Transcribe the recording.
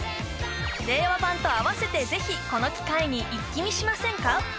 令和版とあわせてぜひこの機会に一気見しませんか？